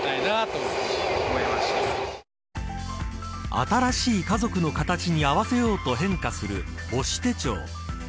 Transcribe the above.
新しい家族の形に合わせようと変化する母子手帳。